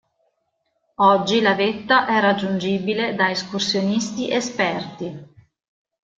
Oggi la vetta è raggiungibile da escursionisti esperti.